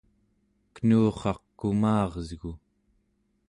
kenurraq kumaresgu